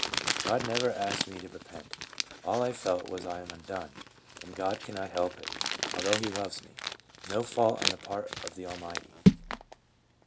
God never asked me to re pent. All I felt was I am undone, and God cannot help it, although He loves me. No fault on the part of the Almighty."